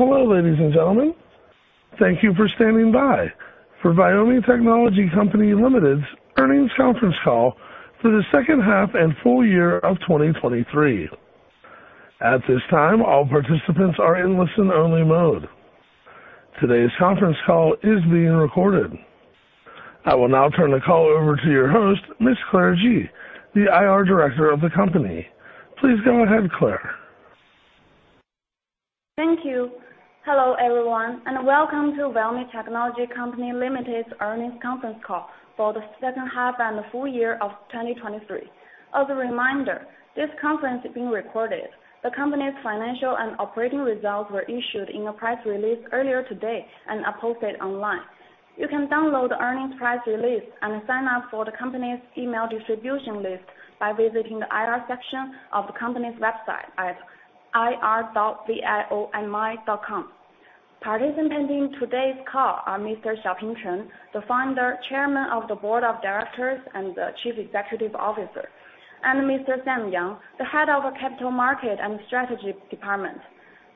Hello, ladies and gentlemen. Thank you for standing by for Viomi Technology Company Limited's earnings conference call for the second half and full year of 2023. At this time, all participants are in listen-only mode. Today's conference call is being recorded. I will now turn the call over to your host, Miss Claire Ji, the IR director of the company. Please go ahead, Claire. Thank you. Hello everyone, and welcome to Viomi Technology Company Limited's earnings conference call for the second half and the full year of 2023. As a reminder, this conference is being recorded. The company's financial and operating results were issued in a press release earlier today and are posted online. You can download the earnings press release and sign up for the company's email distribution list by visiting the IR section of the company's website at ir.viomi.com. Participating in today's call are Mr. Xiaoping Chen, the founder, chairman of the board of directors, and the Chief Executive Officer, and Mr. Sam Yang, the head of Capital Markets and Strategy Department.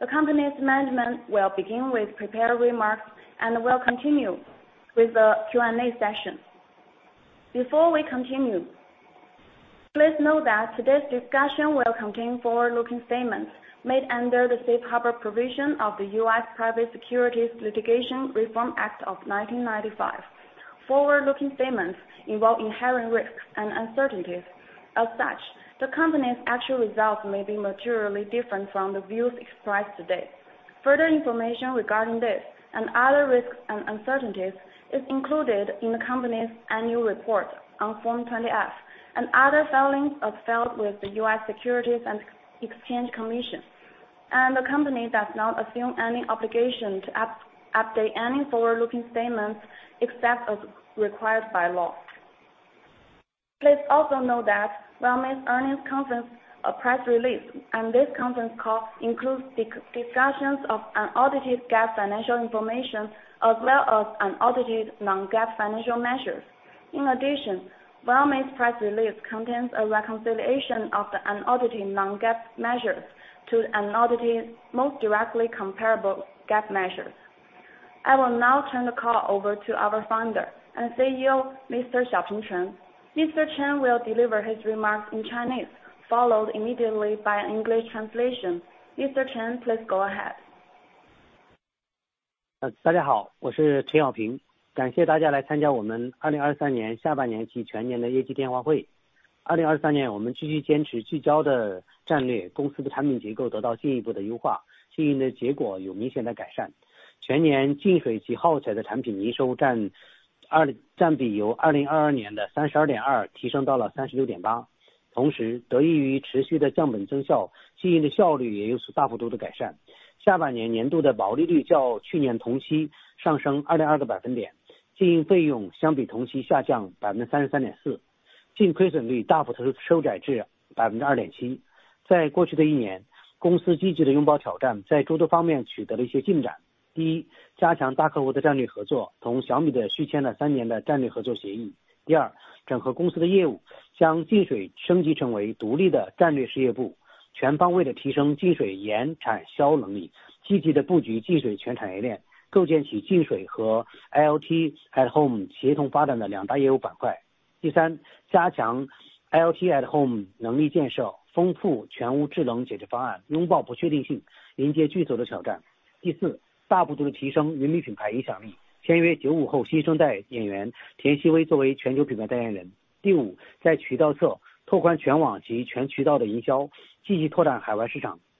The company's management will begin with prepared remarks and will continue with the Q&A session. Before we continue, please note that today's discussion will contain forward-looking statements made under the safe harbor provisions of the U.S. Private Securities Litigation Reform Act of 1995. Forward-looking statements involve inherent risks and uncertainties. As such, the company's actual results may be materially different from the views expressed today. Further information regarding this and other risks and uncertainties is included in the company's annual report on Form 20-K and other filings are filed with the U.S. Securities and Exchange Commission, and the company does not assume any obligation to update any forward-looking statements except as required by law. Please also note that Viomi's earnings conference, a press release, and this conference call includes discussions of unaudited GAAP financial information, as well as unaudited non-GAAP financial measures. In addition, Viomi's press release contains a reconciliation of the unaudited non-GAAP measures to unaudited most directly comparable GAAP measures. I will now turn the call over to our founder and CEO, Mr. Xiaoping Chen. Mr. Chen will deliver his remarks in Chinese, followed immediately by an English translation. Mr. Chen, please go ahead. Hello, everyone.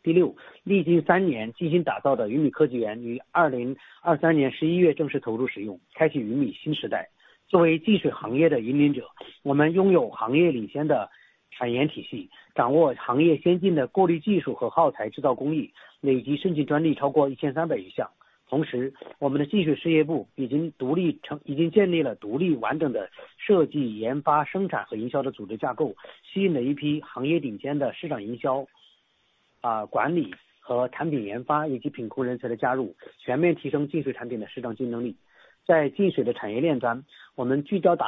Park, which has been carefully built over three years, was officially put into use in November 2023, ushering in a new era for Viomi. As the leader in the water purification industry, we have an industry-leading production and research system, master advanced industry filtration technology and consumable manufacturing processes, and have cumulatively applied for more than 1,300 patents. At the same time, our water purification business unit has already become independent. We have established an independent and complete organizational structure for design, R&D, production, and marketing, attracting a batch of industry top market marketing, management, and product R&D as well as quality control talents' joining, comprehensively improving the market competitiveness of water purification products. In the water purification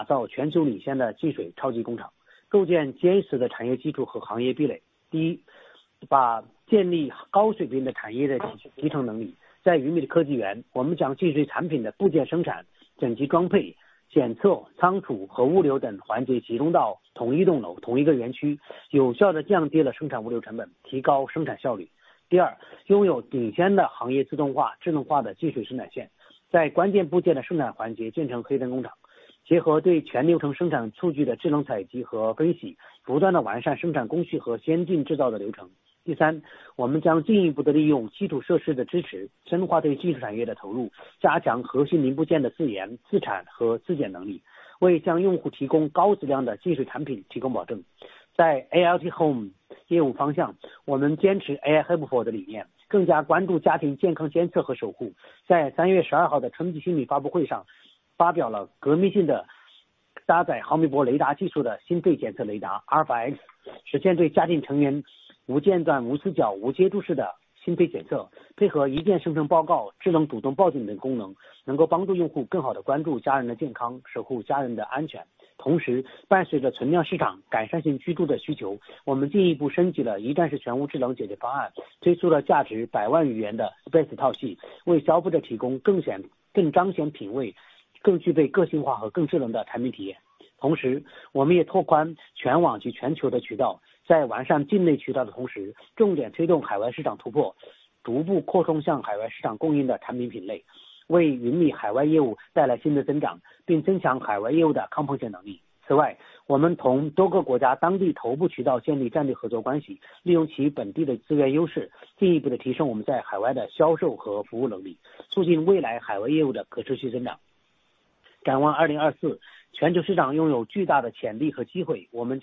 industry chain end, we focus on building a global leading water purification super factory, constructing a solid industrial foundation and industry barriers. First, establishing high-level industrial integration capabilities. In Viomi IoT Technology Park, we concentrate the water purification products' components production, complete machine assembly, testing, storage, and logistics and other links into the same building, the same park, effectively reducing production logistics costs, improving production efficiency. Second, having leading industry automation and intelligent water purification production lines, building dark factories in the key components' production links, combining intelligent collection and analysis of full-process production data, continuously perfecting production processes and advanced manufacturing processes. Third, we will further utilize the support of infrastructure, deepen investment in the technology industry, strengthen core components' self-research, self-production, and self-inspection capabilities, providing guarantee for providing high-quality water purification products to users. In the IoT home business direction, we adhere to the AI hub concept, paying more attention to family health monitoring and protection. At the product manager press conference on March 12, we released revolutionary. Equipped with millimeter-wave radar technology, the cardiopulmonary detection radar Alpha X achieves uninterrupted, no-dead-angle, non-contact cardiopulmonary detection for family members, combined with one-key report generation, intelligent active alarm, and other functions, which can help users better pay attention to their family's health and protect their family's safety. At the same time, accompanied by the demand for improvement in the stock market's residential living, we have further upgraded the one-stop whole-house intelligent solution and launched the BEST series valued at over CNY 1 million, providing consumers with a more prominent, more tasteful, more personalized, and more intelligent product experience. At the same time, we are also expanding online and global channels. While perfecting domestic channels, we are focusing on breakthroughs in the overseas market, gradually expanding the product categories supplied to the overseas market, bringing new growth to Viomi's overseas business and enhancing the risk resistance of the overseas business. In addition, we have established strategic cooperation relationships with local leading channels in multiple countries, utilizing their local resource advantages to further improve our sales and service capabilities overseas and promote the sustainable growth of future overseas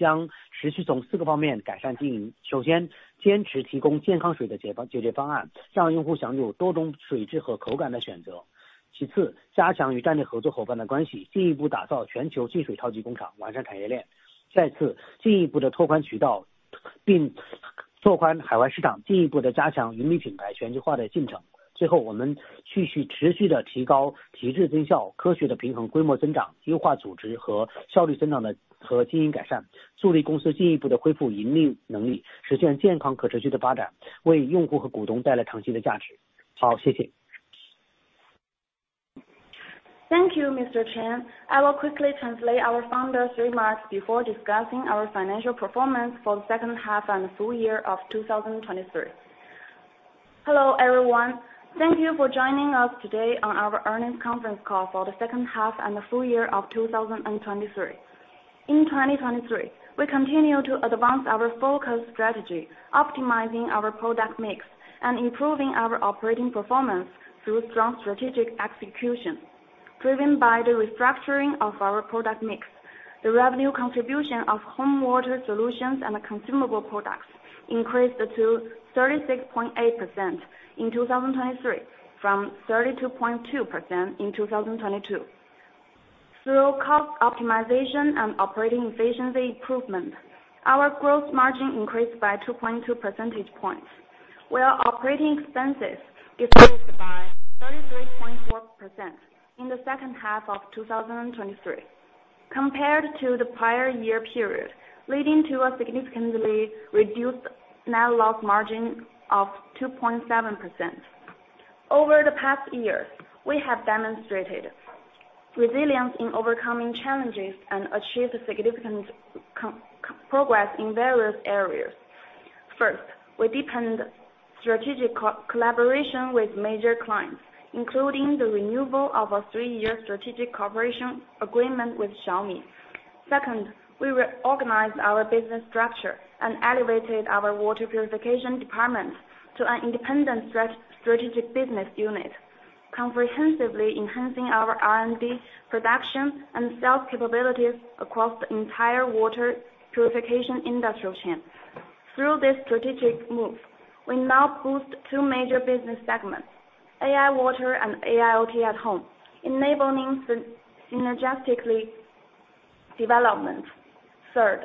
business. Looking ahead to 2024, the global market has huge potential and opportunities. We will continue to improve operations from four aspects. First, persist in providing healthy water solutions so that users can enjoy choices of multiple water qualities and tastes. Second, strengthen relationships with strategic partners, further build a global water purification super factory, and perfect the industry chain. Third, further expand channels and overseas markets, and further strengthen the globalization process of profitable brands. Finally, we will continue to improve ultimate efficiency, scientifically balance scale growth, optimize organization and efficiency growth as well as operational improvements, help the company further restore profitability, achieve healthy and sustainable development, and bring long-term value to users and shareholders. Okay, thank you. Thank you, Mr. Chen. I will quickly translate our founder's remarks before discussing our financial performance for the second half and full year of 2023. Hello, everyone. Thank you for joining us today on our earnings conference call for the second half and the full year of 2023. In 2023, we continued to advance our focus strategy, optimizing our product mix and improving our operating performance through strong strategic execution. Driven by the restructuring of our product mix, the revenue contribution of home water solutions and consumable products increased to 36.8% in 2023, from 32.2% in 2022. Through cost optimization and operating efficiency improvement, our growth margin increased by 2.2 percentage points, where operating expenses decreased by 33.4% in the second half of 2023 compared to the prior year period, leading to a significantly reduced net loss margin of 2.7%. Over the past years, we have demonstrated resilience in overcoming challenges and achieved significant progress in various areas. First, we deepened strategic collaboration with major clients, including the renewal of a three-year strategic cooperation agreement with Xiaomi. Second, we reorganized our business structure and elevated our water purification department to an independent strategic business unit, comprehensively enhancing our R&D, production, and sales capabilities across the entire water purification industrial chain. Through this strategic move, we now boost two major business segments, AI water and AIoT at home, enabling synergistically development. Third,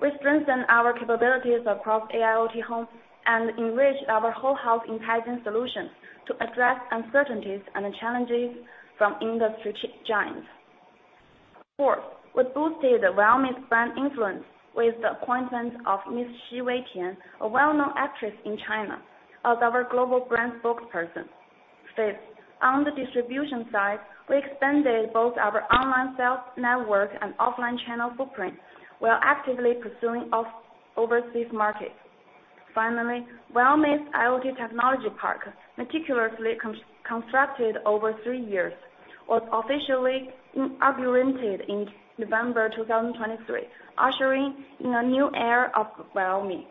we strengthen our capabilities across AIoT home and enrich our whole house enhancing solutions to address uncertainties and challenges from industry giants. Fourth, we boosted the Viomi brand influence with the appointment of Miss Tian Xiwei, a well-known actress in China, as our global brand spokesperson. Fifth, on the distribution side, we expanded both our online sales network and offline channel footprint, while actively pursuing overseas markets. Finally, Viomi's IoT Technology Park, meticulously constructed over three years, was officially inaugurated in November 2023, ushering in a new era of Viomi.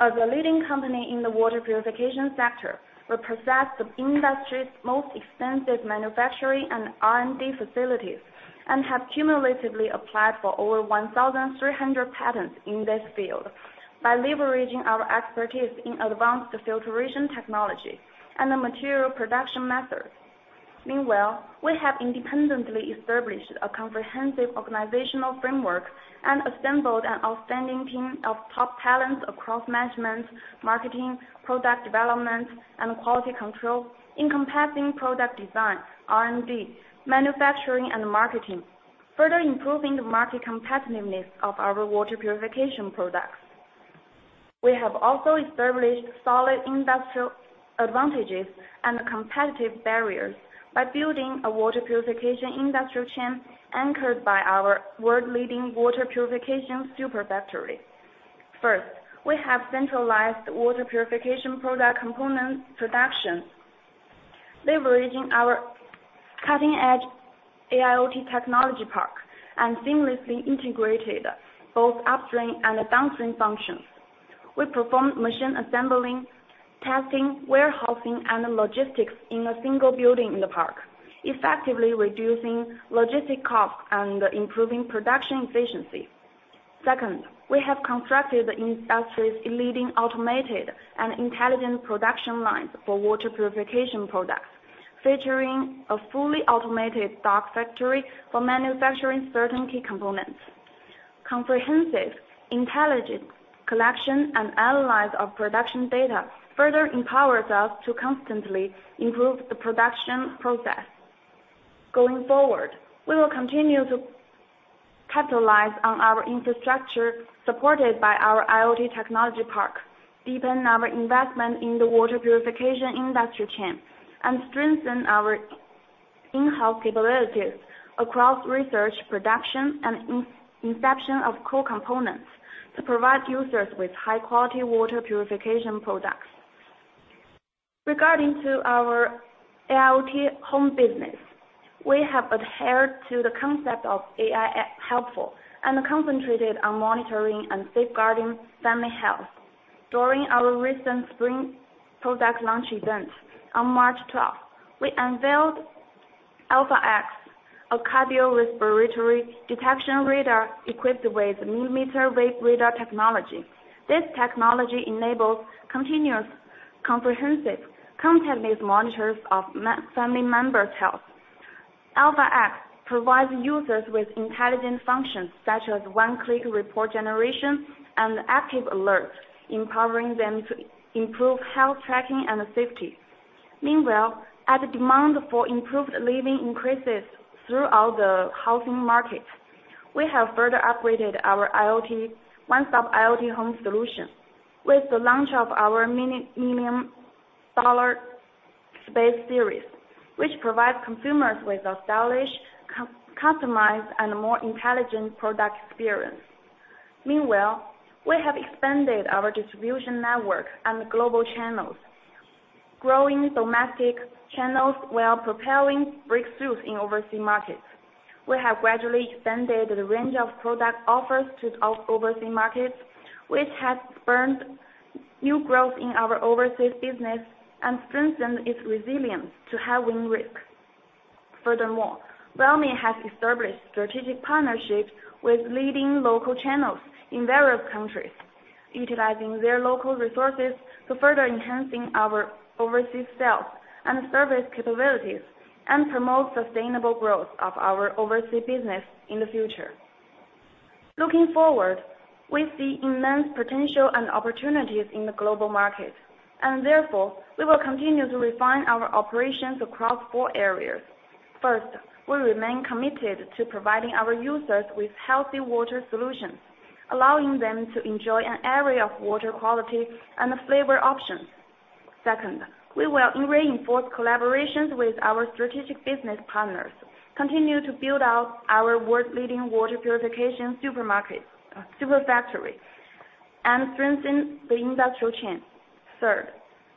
As a leading company in the water purification sector, we possess the industry's most extensive manufacturing and R&D facilities and have cumulatively applied for over 1,300 patents in this field by leveraging our expertise in advanced filtration technology and the material production methods. Meanwhile, we have independently established a comprehensive organizational framework and assembled an outstanding team of top talents across management, marketing, product development, and quality control, encompassing product design, R&D, manufacturing, and marketing, further improving the market competitiveness of our water purification products. We have also established solid industrial advantages and competitive barriers by building a water purification industrial chain anchored by our world-leading water purification super factory. First, we have centralized water purification product component production, leveraging our cutting-edge AIoT technology park and seamlessly integrated both upstream and downstream functions. We perform machine assembling, testing, warehousing, and logistics in a single building in the park, effectively reducing logistic costs and improving production efficiency. Second, we have constructed the industry's leading automated and intelligent production lines for water purification products, featuring a fully automated dark factory for manufacturing certain key components. Comprehensive, intelligent collection and analysis of production data further empowers us to constantly improve the production process. Going forward, we will continue to capitalize on our infrastructure, supported by our IoT technology park, deepen our investment in the water purification industry chain, and strengthen our in-house capabilities across research, production, and inception of core components to provide users with high-quality water purification products. Regarding our IoT home business, we have adhered to the concept of AIoT @ Home and concentrated on monitoring and safeguarding family health. During our recent spring product launch event on March twelfth, we unveiled Alpha X, a cardiorespiratory detection radar equipped with millimeter wave radar technology. This technology enables continuous, comprehensive, contactless monitors of family members' health. Alpha X provides users with intelligent functions, such as one-click report generation and active alerts, empowering them to improve health tracking and safety. Meanwhile, as demand for improved living increases throughout the housing market, we have further upgraded our IoT, one-stop IoT home solution with the launch of our multi-million dollar Space series, which provides consumers with a stylish, customized, and more intelligent product experience. Meanwhile, we have expanded our distribution network and global channels, growing domestic channels while propelling breakthroughs in overseas markets. We have gradually expanded the range of product offers to our overseas markets, which has spurred new growth in our overseas business and strengthened its resilience to headwind risk. Furthermore, Xiaomi has established strategic partnerships with leading local channels in various countries, utilizing their local resources to further enhance our overseas sales and service capabilities and promote sustainable growth of our overseas business in the future. Looking forward, we see immense potential and opportunities in the global market, and therefore, we will continue to refine our operations across four areas. First, we remain committed to providing our users with healthy water solutions, allowing them to enjoy an array of water quality and flavor options. Second, we will reinforce collaborations with our strategic business partners, continue to build out our world-leading water purification supermarket, super factory, and strengthen the industrial chain. Third,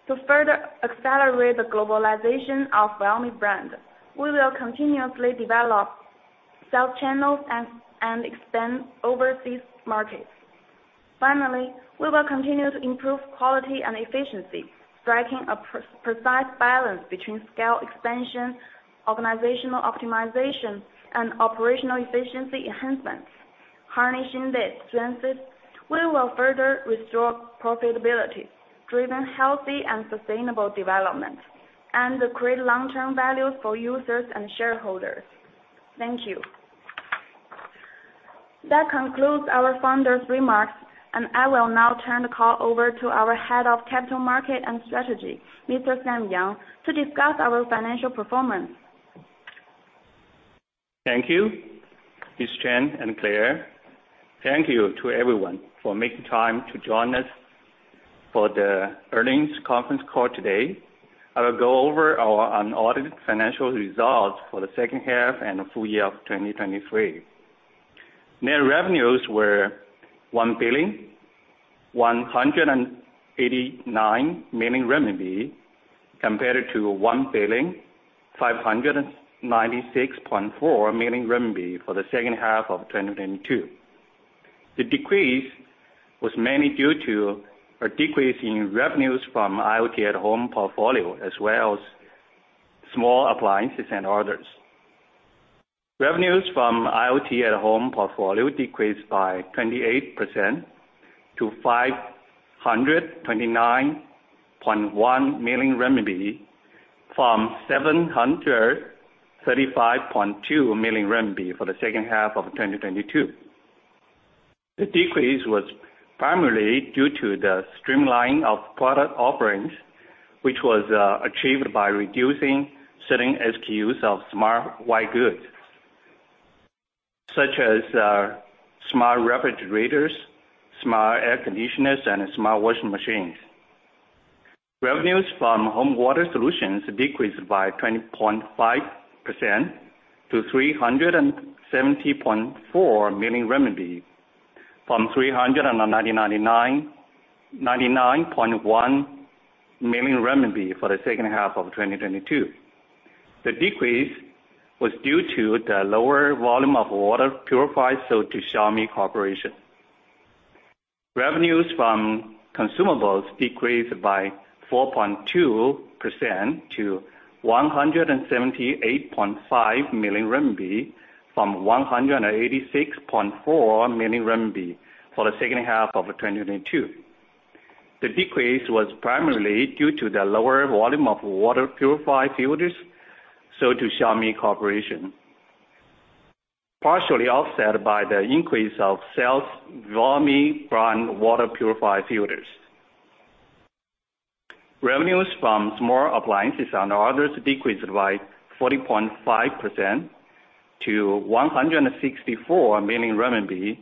to further accelerate the globalization of Xiaomi brand, we will continuously develop sales channels and expand overseas markets. Finally, we will continue to improve quality and efficiency, striking a precise balance between scale expansion, organizational optimization, and operational efficiency enhancements. Harnessing these strengths, we will further restore profitability, driven healthy and sustainable development, and create long-term value for users and shareholders. Thank you. That concludes our founder's remarks, and I will now turn the call over to our Head of Capital Markets and Strategy, Mr. Sam Yang, to discuss our financial performance. Thank you, Ms. Chen and Claire. Thank you to everyone for making time to join us for the earnings conference call today. I will go over our unaudited financial results for the second half and the full year of 2023. Net revenues were 1,189 million renminbi, compared to 1,596.4 million renminbi for the second half of 2022. The decrease was mainly due to a decrease in revenues from IoT at Home portfolio, as well as small appliances and others. Revenues from IoT at Home portfolio decreased by 28% to 529.1 million renminbi, from 735.2 million renminbi for the second half of 2022. The decrease was primarily due to the streamlining of product offerings, which was achieved by reducing certain SKUs of smart white goods, such as smart refrigerators, smart air conditioners, and smart washing machines. Revenues from home water solutions decreased by 20.5% to 370.4 million RMB, from 399.1 million RMB for the second half of 2022. The decrease was due to the lower volume of water purifiers sold to Xiaomi Corporation. Revenues from consumables decreased by 4.2% to 178.5 million RMB, from 186.4 million RMB for the second half of 2022. The decrease was primarily due to the lower volume of water purifier filters sold to Xiaomi Corporation. Partially offset by the increase of sales volume brand water purifier filters. Revenues from small appliances and others decreased by 40.5% to 164 million renminbi,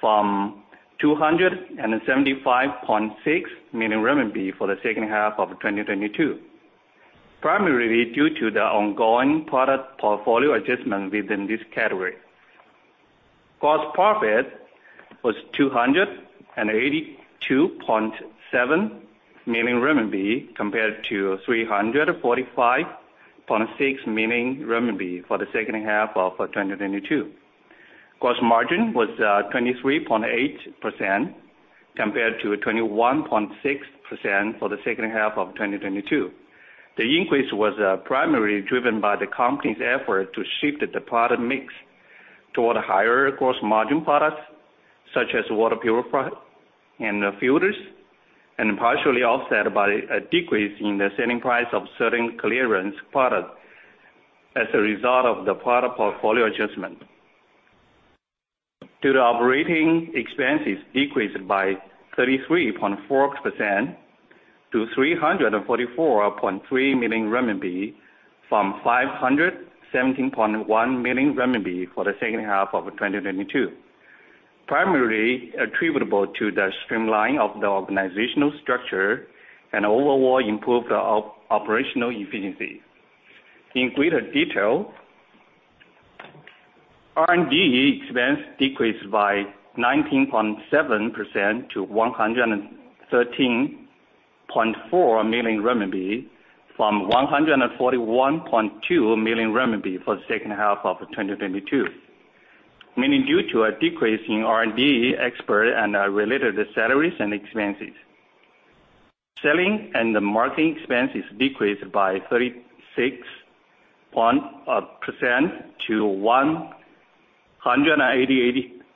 from 275.6 million renminbi for the second half of 2022. Primarily due to the ongoing product portfolio adjustment within this category. Gross profit was 282.7 million RMB, compared to 345.6 million RMB for the second half of 2022. Gross margin was 23.8% compared to 21.6% for the second half of 2022. The increase was primarily driven by the company's effort to shift the product mix toward higher gross margin products, such as water purifier and filters, and partially offset by a decrease in the selling price of certain clearance products as a result of the product portfolio adjustment. Due to operating expenses decreased by 33.4% to 344.3 million renminbi from 517.1 million renminbi for the second half of 2022. Primarily attributable to the streamlining of the organizational structure and overall improved operational efficiency. In greater detail, R&D expense decreased by 19.7% to 113.4 million RMB from 141.2 million RMB for the second half of 2022. Mainly due to a decrease in R&D expert and related salaries and expenses. Selling and marketing expenses decreased by 36% to 188.2 million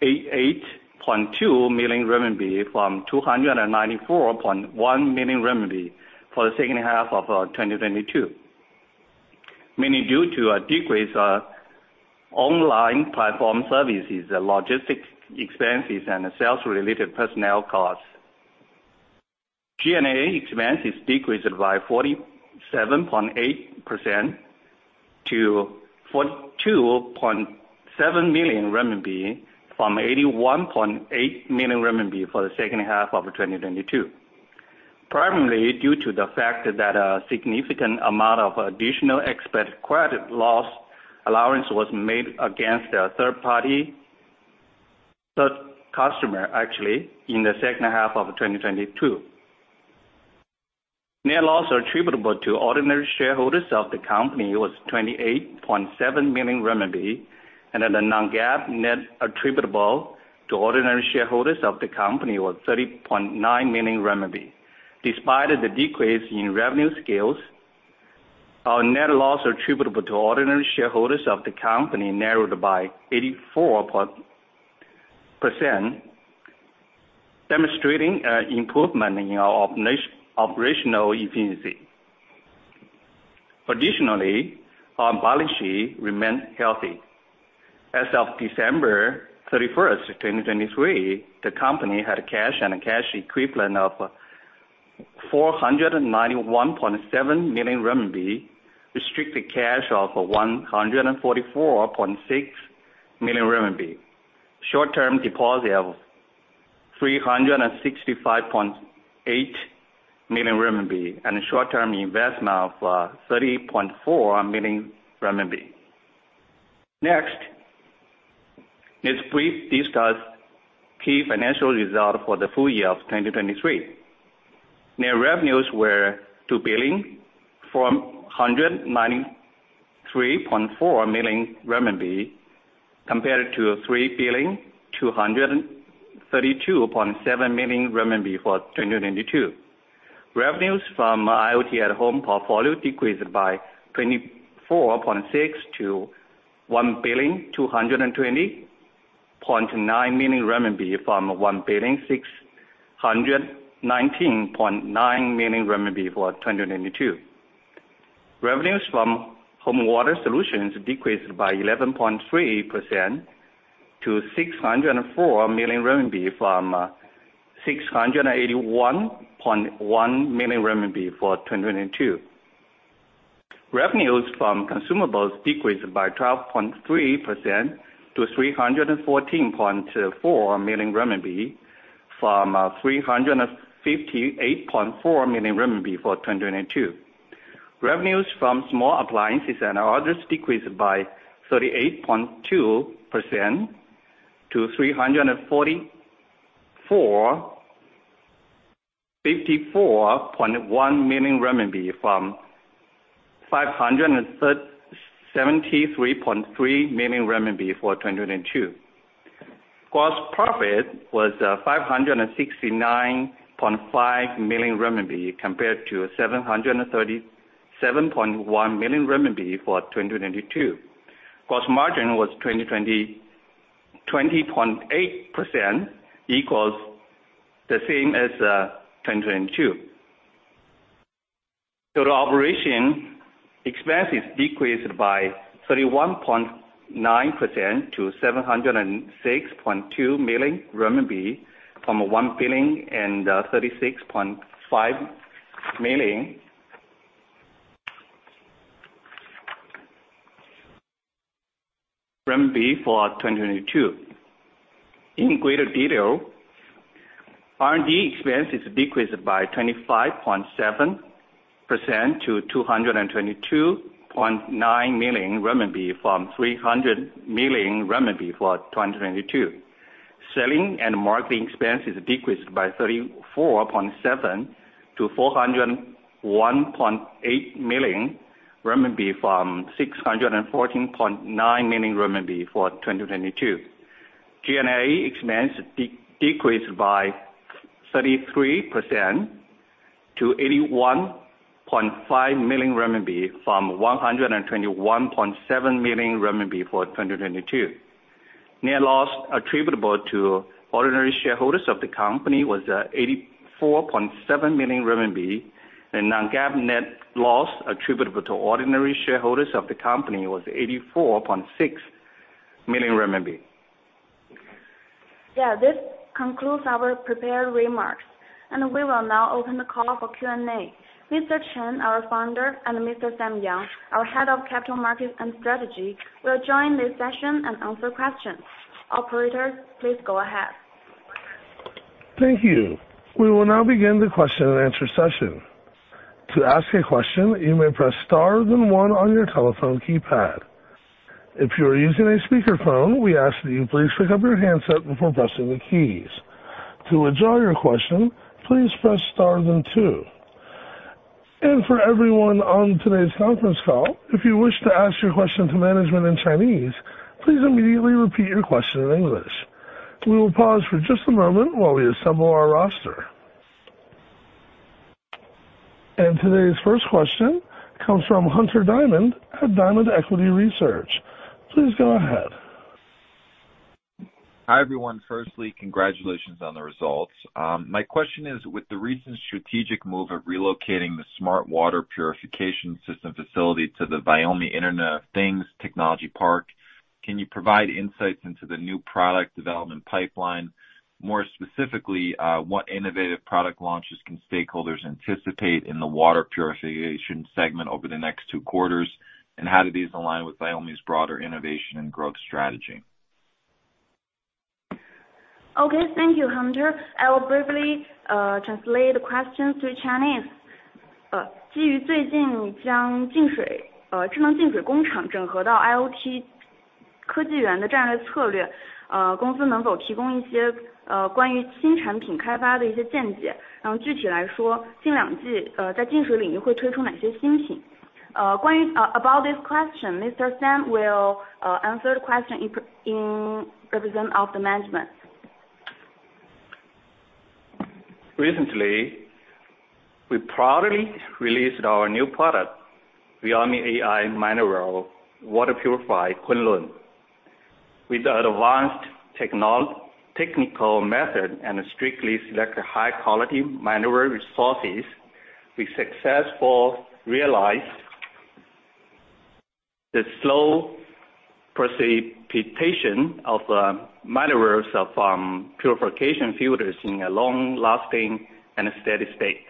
RMB from 294.1 million RMB for the second half of 2022. Mainly due to a decrease in online platform services, the logistics expenses, and the sales-related personnel costs. G&A expenses decreased by 47.8% to 42.7 million renminbi from 81.8 million renminbi for the second half of 2022. Primarily due to the fact that a significant amount of additional expected credit loss allowance was made against a third party, third customer, actually, in the second half of 2022. Net loss attributable to ordinary shareholders of the company was 28.7 million renminbi, and then the non-GAAP net attributable to ordinary shareholders of the company was 30.9 million renminbi. Despite the decrease in revenue scales, our net loss attributable to ordinary shareholders of the company narrowed by 84%, demonstrating improvement in our operational efficiency. Additionally, our balance sheet remained healthy. As of December 31, 2023, the company had cash and cash equivalent of 491.7 million RMB, restricted cash of 144.6 million RMB. Short-term deposits of 365.8 million RMB, and short-term investment of 30.4 million. Next, let's please discuss key financial results for the full year of 2023. Net revenues were 2,193.4 million RMB, compared to 3,232.7 million RMB for 2022. Revenues from IoT at home portfolio decreased by 24.6% to CNY 1,220.9 million, from 1,619.9 million renminbi for 2022. Revenues from home water solutions decreased by 11.3% to 604 million RMB from 681.1 million RMB for 2022. Revenues from consumables decreased by 12.3% to 314.4 million renminbi from 358.4 million renminbi for 2022. Revenues from small appliances and others decreased by 38.2% to 54.1 million renminbi from 573.3 million renminbi for 2022. Gross profit was 569.5 million renminbi, compared to 737.1 million renminbi for 2022. Gross margin was 20.8%, equals the same as 2022. Total operating expenses decreased by 31.9% to 706.2 million RMB, from 1,036.5 million renminbi for 2022. In greater detail, R&D expenses decreased by 25.7% to 222.9 million RMB, from 300 million RMB for 2022. Selling and marketing expenses decreased by 34.7% to 401.8 million renminbi, from 614.9 million renminbi for 2022. G&A expense decreased by 33% to 81.5 million RMB, from 121.7 million RMB for 2022. Net loss attributable to ordinary shareholders of the company was 84.7 million RMB, and non-GAAP net loss attributable to ordinary shareholders of the company was 84.6 million CNY. Yeah, this concludes our prepared remarks, and we will now open the call for Q&A. Mr. Chen, our founder, and Mr. Sam Yang, our Head of Capital Markets and Strategy, will join this session and answer questions. Operator, please go ahead. Thank you. We will now begin the question and answer session. To ask a question, you may press star then one on your telephone keypad. If you are using a speakerphone, we ask that you please pick up your handset before pressing the keys. To withdraw your question, please press star then two. And for everyone on today's conference call, if you wish to ask your question to management in Chinese, please immediately repeat your question in English. We will pause for just a moment while we assemble our roster. And today's first question comes from Hunter Diamond at Diamond Equity Research. Please go ahead. Hi, everyone. Firstly, congratulations on the results. My question is: With the recent strategic move of relocating the smart water purification system facility to the Viomi Internet of Things Technology Park, can you provide insights into the new product development pipeline? More specifically, what innovative product launches can stakeholders anticipate in the water purification segment over the next two quarters? And how do these align with Viomi's broader innovation and growth strategy? Okay, thank you, Hunter. I will briefly translate the question to Chinese. "..." About this question, Mr. Sam will answer the question in representation of the management. Recently, we proudly released our new product, Viomi AI Mineral Water Purifier, Kunlun. With the advanced technical method and strictly selected high quality mineral resources, we successfully realized the slow precipitation of minerals of purification filters in a long-lasting and steady state,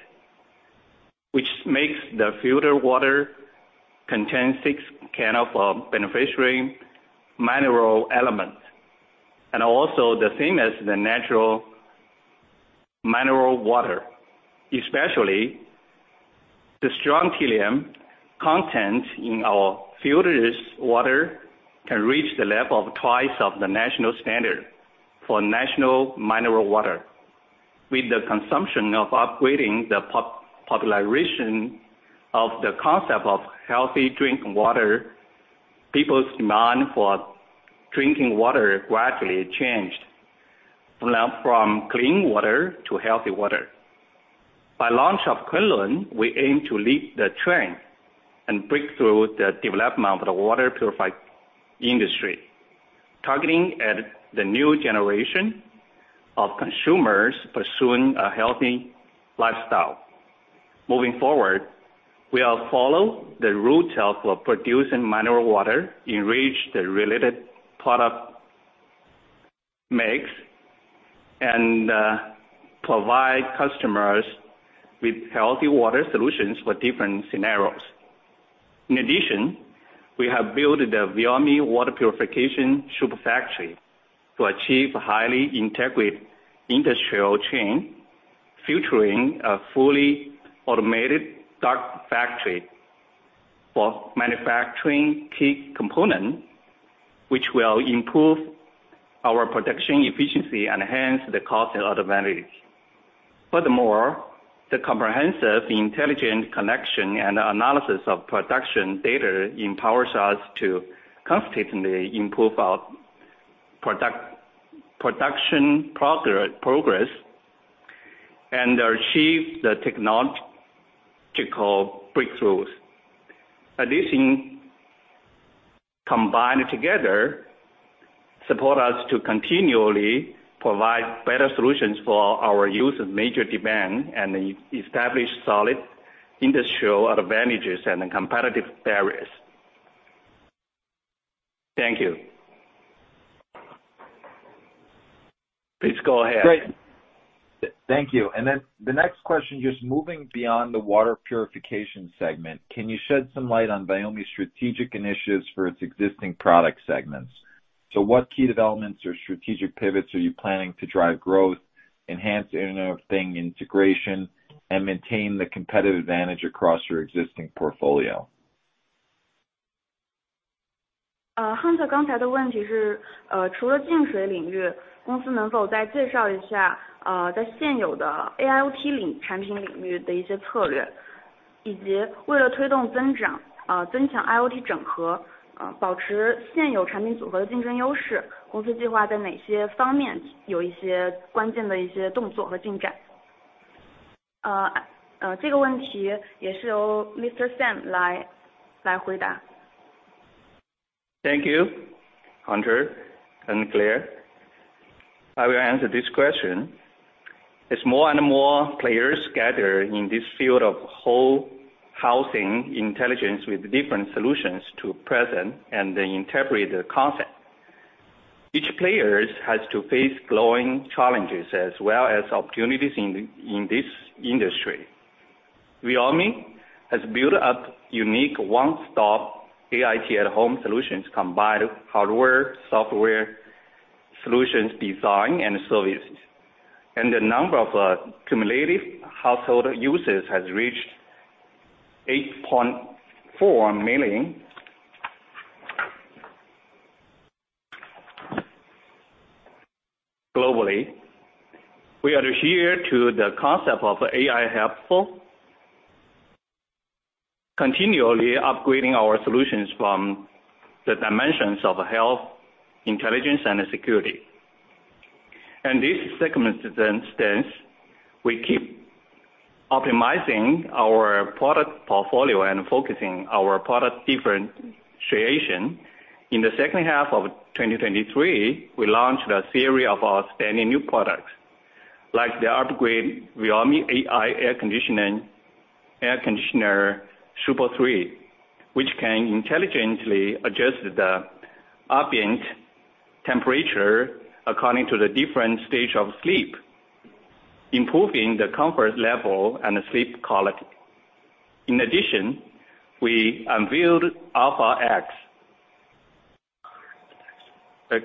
which makes the filtered water contain six kind of beneficial mineral elements, and also the same as the natural mineral water. Especially, the strontium content in our filtered water can reach the level of twice of the national standard for national mineral water. With the consumption of upgrading the popularization of the concept of healthy drinking water, people's demand for drinking water gradually changed from clean water to healthy water. By launch of Kunlun, we aim to lead the trend and break through the development of the water purified industry, targeting at the new generation of consumers pursuing a healthy lifestyle. Moving forward, we are follow the route of producing mineral water, enrich the related product mix, and provide customers with healthy water solutions for different scenarios. In addition, we have built the Viomi Water Purification Super Factory to achieve a highly integrated industrial chain, featuring a fully automated dark factory for manufacturing key component, which will improve our production efficiency and enhance the cost advantage. Furthermore, the comprehensive intelligent connection and analysis of production data empowers us to constantly improve our product production progress and achieve the technological breakthroughs. These things, combined together, support us to continually provide better solutions for our use of major demand and establish solid industrial advantages and competitive barriers. Thank you. Please go ahead. Great. Thank you. And then the next question, just moving beyond the water purification segment, can you shed some light on Viomi's strategic initiatives for its existing product segments? So what key developments or strategic pivots are you planning to drive growth, enhance Internet of Things integration, and maintain the competitive advantage across your existing portfolio? Hunter speaks in foreign language. Thank you, Hunter and Claire. I will answer this question. As more and more players gather in this field of whole housing intelligence with different solutions to present and interpret the concept, each players has to face growing challenges as well as opportunities in this industry. Viomi has built up unique one-stop AI at home solutions, combined hardware, software, solutions, design and services, and the number of cumulative household users has reached 8.4 million globally. We adhere to the concept of AI helpful, continually upgrading our solutions from the dimensions of health, intelligence, and security. In this circumstance, we keep optimizing our product portfolio and focusing our product differentiation. In the second half of 2023, we launched a series of outstanding new products, like the upgraded Viomi AI air conditioning, air conditioner Super 3, which can intelligently adjust the ambient temperature according to the different stage of sleep, improving the comfort level and sleep quality. In addition, we unveiled Alpha X, a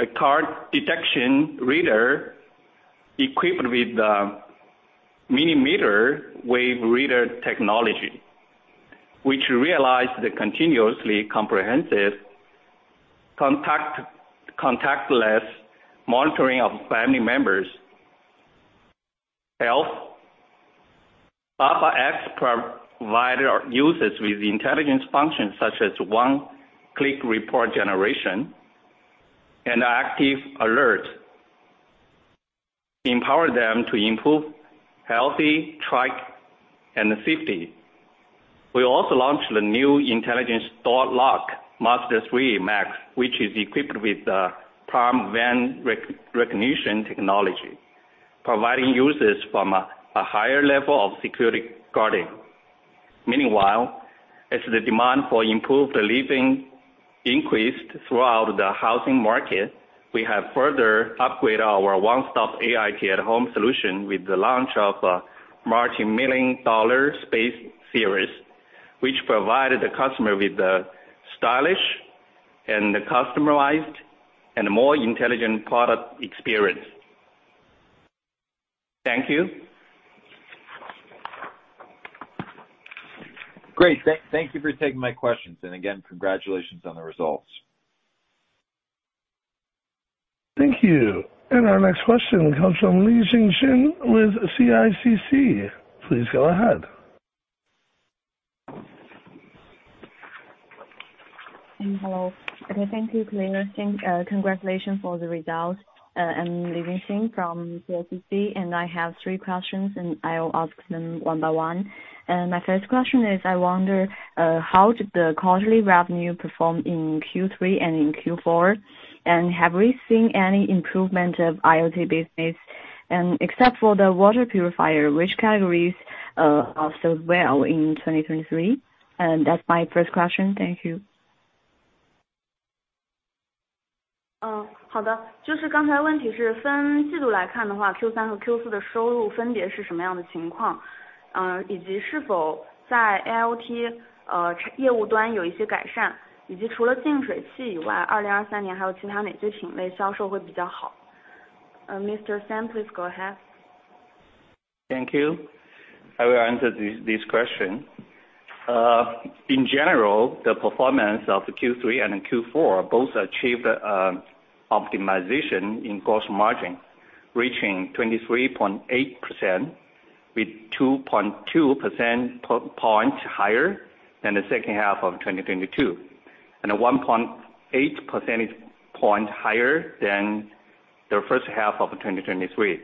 cardiorespiratory detection radar equipped with the millimeter-wave radar technology, which realized the continuously comprehensive contactless monitoring of family members' health. Alpha X provided our users with intelligence functions such as one-click report generation and active alert, empower them to improve health tracking and safety. We also launched the new intelligent door lock, Master 3 Max, which is equipped with the palm vein recognition technology, providing users a higher level of security guarding. Meanwhile, as the demand for improved living increased throughout the housing market, we have further upgraded our one-stop AI at home solution with the launch of a multi-million dollar Space series, which provided the customer with the stylish and the customized and more intelligent product experience. Thank you. Great. Thank you for taking my questions. And again, congratulations on the results. Thank you. Our next question comes from Jingjin Li with CICC. Please go ahead. Hello. Okay, thank you, Claire. Congratulations for the results. I'm Jingjing Li from CICC, and I have three questions, and I will ask them one by one. My first question is, I wonder, how did the quarterly revenue perform in Q3 and in Q4? And have we seen any improvement of IoT business? And except for the water purifier, which categories are sold well in 2023? And that's my first question. Thank you. [unintelligible] Mr. Sam, please go ahead. Thank you. I will answer this question. In general, the performance of the Q3 and Q4 both achieved optimization in gross margin, reaching 23.8%, with 2.2 percentage point higher than the second half of 2022, and a 1.8 percentage point higher than the first half of 2023.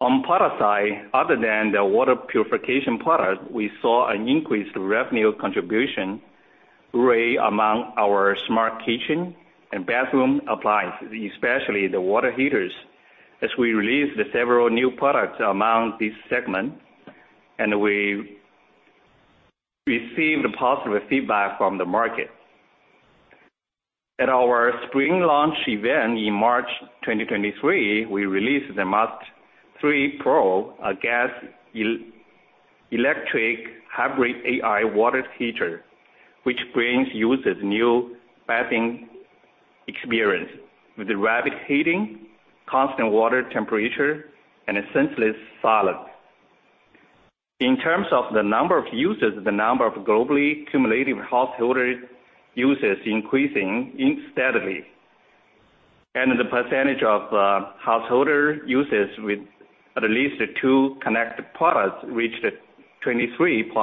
On product side, other than the water purification product, we saw an increased revenue contribution rate among our smart kitchen and bathroom appliances, especially the water heaters, as we released the several new products among this segment, and we received positive feedback from the market. At our spring launch event in March 2023, we released the Master 3 Pro, a gas-electric hybrid AI water heater, which brings users new bathing experience with rapid heating, constant water temperature, and a sensorless seal. In terms of the number of users, the number of globally cumulative householder users increasing steadily, and the percentage of householder users with at least two connected products reached 23%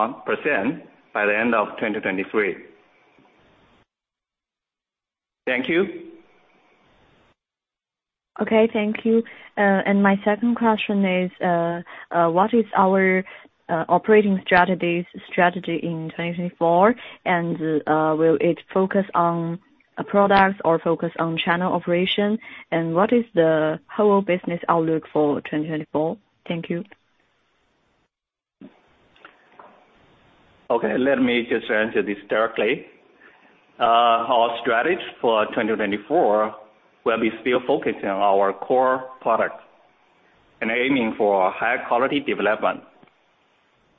by the end of 2023. Thank you. Okay, thank you. And my second question is, what is our operating strategy in 2024? And will it focus on products or focus on channel operation? And what is the whole business outlook for 2024? Thank you. Okay, let me just answer this directly. Our strategy for 2024 will be still focusing on our core products and aiming for a high quality development.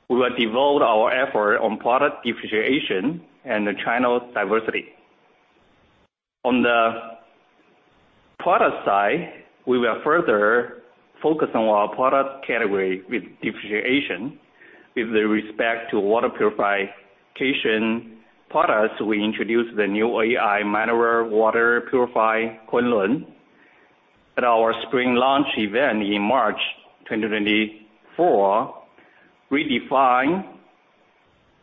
We will devote our effort on product differentiation and the channel diversity. On the product side, we will further focus on our product category with differentiation. With respect to water purification products, we introduced the new AI mineral water purifier, Kunlun, at our spring launch event in March 2024, redefine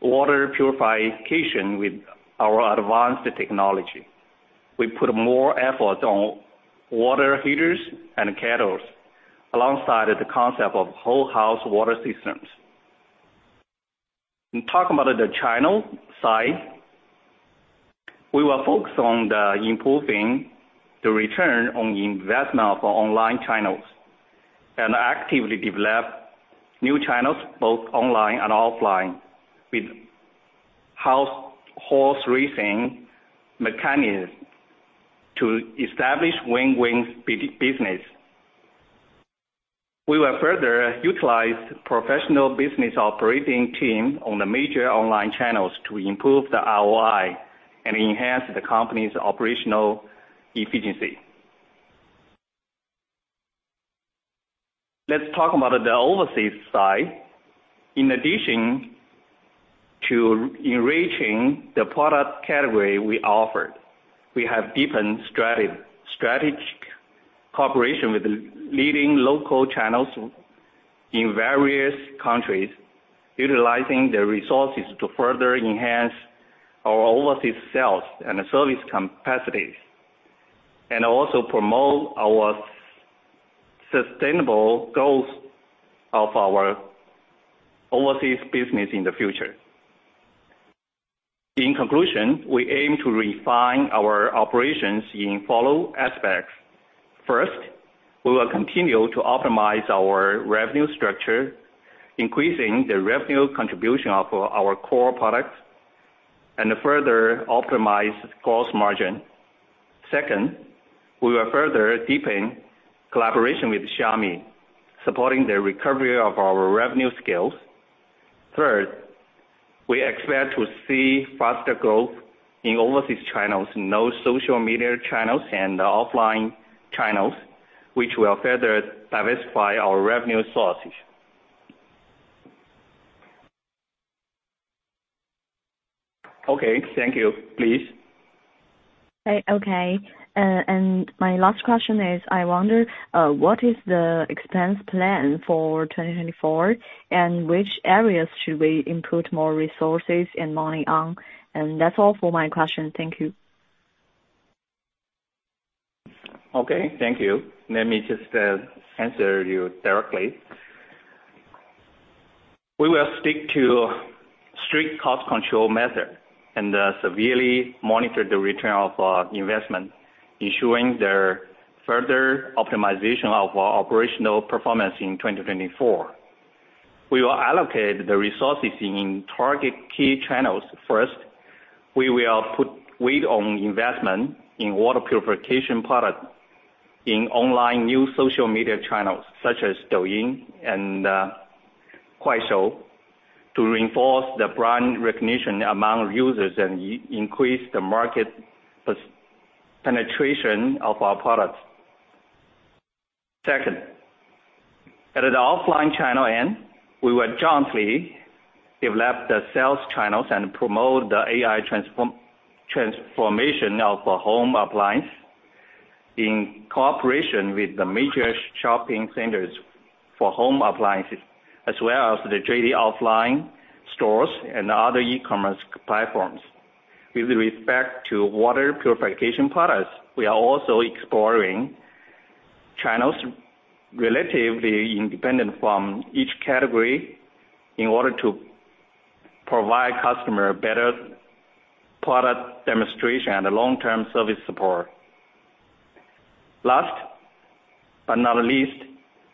water purification with our advanced technology. We put more effort on water heaters and kettles, alongside the concept of whole house water systems. In talking about the channel side, we will focus on improving the return on investment for online channels, and actively develop new channels, both online and offline, with horse racing mechanism to establish win-win business. We will further utilize professional business operating team on the major online channels to improve the ROI and enhance the company's operational efficiency. Let's talk about the overseas side. In addition to enriching the product category we offered, we have deepened strategic cooperation with the leading local channels in various countries, utilizing the resources to further enhance our overseas sales and service capacities, and also promote our sustainable goals of our overseas business in the future. In conclusion, we aim to refine our operations in the following aspects. First, we will continue to optimize our revenue structure, increasing the revenue contribution of our core products, and further optimize gross margin. Second, we will further deepen collaboration with Xiaomi, supporting the recovery of our revenue scales. Third, we expect to see faster growth in overseas channels, new social media channels and offline channels, which will further diversify our revenue sources. Okay, thank you. Please. Okay. And my last question is, I wonder, what is the expense plan for 2024? And which areas should we input more resources and money on? And that's all for my question. Thank you. Okay, thank you. Let me just answer you directly. We will stick to strict cost control method and severely monitor the return of investment, ensuring the further optimization of our operational performance in 2024. We will allocate the resources in target key channels. First, we will put weight on investment in water purification product in online new social media channels such as Douyin and Kuaishou, to reinforce the brand recognition among users and increase the market penetration of our products. Second, at the offline channel end, we will jointly develop the sales channels and promote the AI transformation of the home appliance in cooperation with the major shopping centers for home appliances, as well as the JD offline stores and other e-commerce platforms. With respect to water purification products, we are also exploring channels relatively independent from each category in order to provide customer better product demonstration and long-term service support. Last but not least,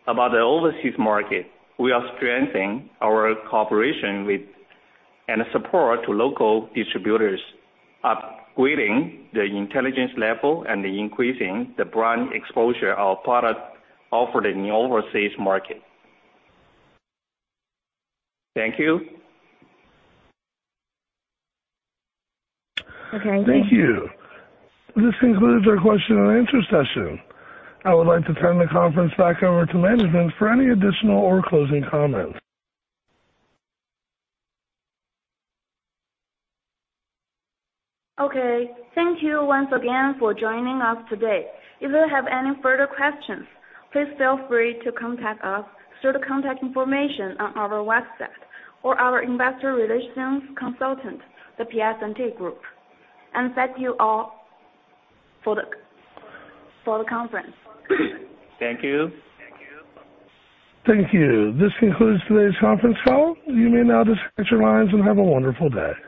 about the overseas market, we are strengthening our cooperation with and support to local distributors, upgrading the intelligence level and increasing the brand exposure of product offered in the overseas market. Thank you. Thank you. This concludes our question and answer session. I would like to turn the conference back over to management for any additional or closing comments. Okay, thank you once again for joining us today. If you have any further questions, please feel free to contact us through the contact information on our website or our investor relations consultant, the Piacente Group. Thank you all for the conference. Thank you. Thank you. This concludes today's conference call. You may now disconnect your lines and have a wonderful day.